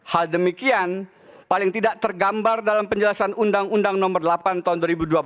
hal demikian paling tidak tergambar dalam penjelasan undang undang nomor delapan tahun dua ribu dua puluh